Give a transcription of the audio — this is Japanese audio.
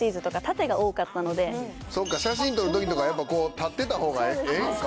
そうか写真撮る時とかやっぱ立ってた方がええんか。